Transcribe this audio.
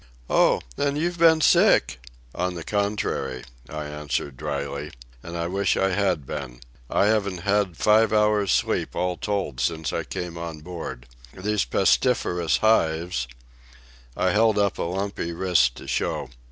"Oh, then you've been sick?" "On the contrary," I answered dryly. "And I wish I had been. I haven't had five hours' sleep all told since I came on board. These pestiferous hives. .." I held up a lumpy wrist to show.